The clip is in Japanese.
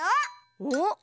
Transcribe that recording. おっ！